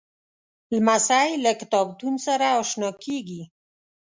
لمسی له کتابتون سره اشنا کېږي.